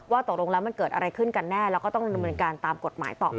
ตกลงแล้วมันเกิดอะไรขึ้นกันแน่แล้วก็ต้องดำเนินการตามกฎหมายต่อไป